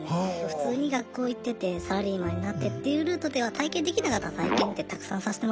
普通に学校行っててサラリーマンになってっていうルートでは体験できなかった体験ってたくさんさせてもらってるんですね。